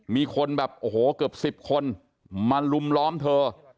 มีคนแบบโอ้โหเกือบ๑๐คนมาลุมล้อมเธอ